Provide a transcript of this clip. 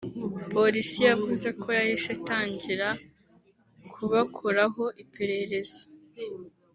Polisi yavuze ko yahise itangira kubakoraho iperereza